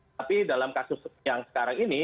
tapi dalam kasus yang sekarang ini